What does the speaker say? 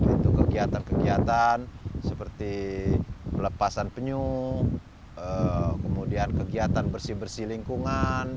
untuk kegiatan kegiatan seperti pelepasan penyu kemudian kegiatan bersih bersih lingkungan